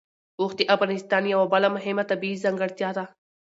اوښ د افغانستان یوه بله مهمه طبیعي ځانګړتیا ده.